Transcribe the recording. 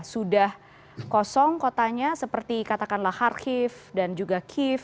sudah kosong kotanya seperti katakanlah kharkiv dan juga kyiv